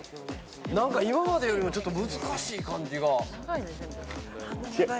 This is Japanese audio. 何か今までよりもちょっと難しい感じが。